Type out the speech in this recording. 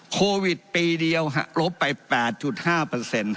โควิดปีเดียวลบไป๘๕ครับ